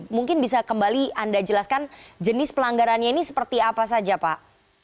mungkin bisa kembali anda jelaskan jenis pelanggarannya ini seperti apa saja pak